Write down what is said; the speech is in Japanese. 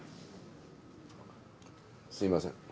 すいません。